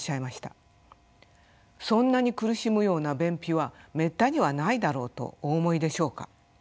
そんなに苦しむような便秘はめったにはないだろうとお思いでしょうか。